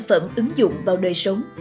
sản phẩm ứng dụng vào đời sống